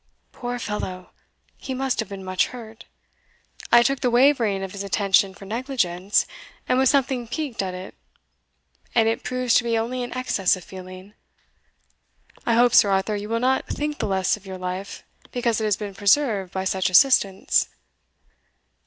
Poor fellow! he must have been much hurt: I took the wavering of his attention for negligence, and was something piqued at it, and it proves to be only an excess of feeling. I hope, Sir Arthur, you will not think the less of your life because it has been preserved by such assistance?"